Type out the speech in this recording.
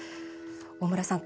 大村さん